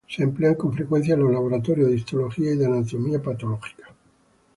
Se emplean con frecuencia en los laboratorios de histología y de anatomía patológica.